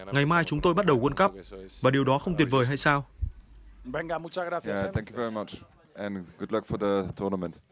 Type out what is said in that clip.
ngày mai chúng tôi bắt đầu world cup và điều đó không tuyệt vời hay sao